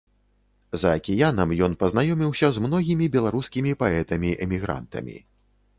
За акіянам ён пазнаёміўся з многімі беларускімі паэтамі-эмігрантамі.